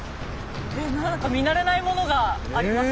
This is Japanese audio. なんか見慣れないものがあります。